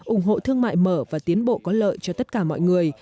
ủng hộ thương mại mở và tiến bộ có lợi cho tất cả mọi người